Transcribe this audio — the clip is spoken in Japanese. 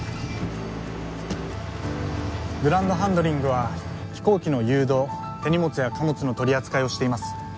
「グランドハンドリングは飛行機の誘導手荷物や貨物の取り扱いをしています」